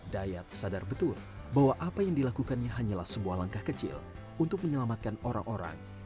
dayat sadar betul bahwa apa yang dilakukannya hanyalah sebuah langkah kecil untuk menyelamatkan orang orang